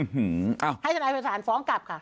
ให้ชนายภาษาฯฟ้องกลับค่ะ